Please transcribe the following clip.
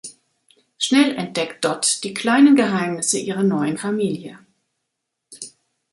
Schnell entdeckt Dot die kleinen Geheimnisse ihrer neuen Familie.